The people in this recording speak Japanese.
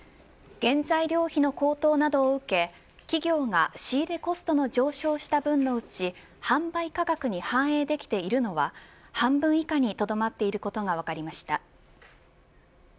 原材料費の高騰などを受け企業が仕入れコストの上昇した分のうち販売価格に反映できているのは半分以下にとどまっていることが分かりました。